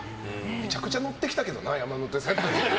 めちゃくちゃ乗ってきたけどな山手線。